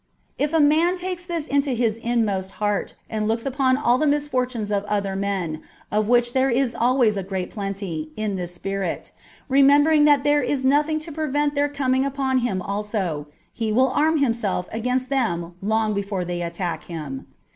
If a man takes this into his inmost heart and looks upon all the misfortunes of other men, of which there is always a great plenty, in this spirit, remembering that there is nothing to prevent their coming upon him also, he will arm himself against them long before they attack him.